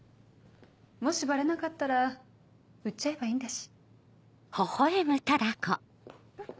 もしバレなかったら売っちゃえばいいんだし。